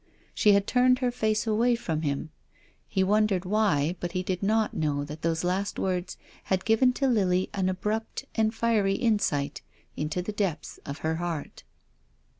She had turned her face away from him. lie wondered why, but he did not know that those last words had given to Lily an abrupt and fiery insight into the depths of her heart.